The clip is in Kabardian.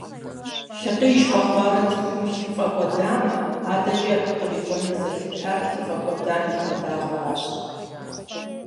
Лъыкъиж къэхъуарэ цӏыхум лъы фӏэкӏуэдамэ, адэкӏэ абы кърикӏуэнур зэлъытар лъы фӏэкӏуэдам и куэдагъращ.